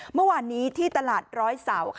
เมื่อวานนี้ที่ตลาดร้อยเสาค่ะ